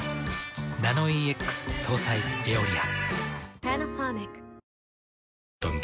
ナノイーＸ搭載「エオリア」。